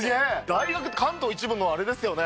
大学って関東１部のあれですよね。